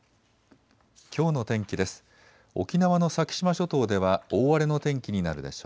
きょうの天気です。